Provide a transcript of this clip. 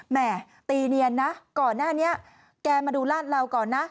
แม่ตีเนียนนะก่อนหน้านี้แกมาดูลาดเหลาก่อนนะ